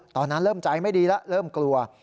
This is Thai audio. ตอนนั้นเริ่มใจไม่ดีแล้วเริ่มกลัว